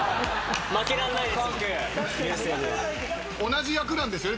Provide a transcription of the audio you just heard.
同じ役なんですよね？